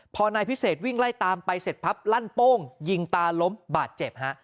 พอนายพิเศษวิ่งไล่ตามไปเสร็จปั๊บลั่นโป้งยิงตาล้มบาดเจ็บฮะ